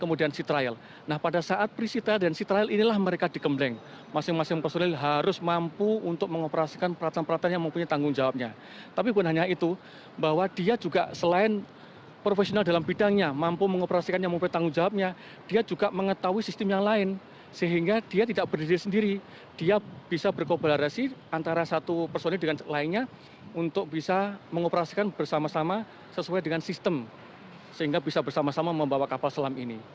untuk bisa mengoperasikan bersama sama sesuai dengan sistem sehingga bisa bersama sama membawa kapal selam ini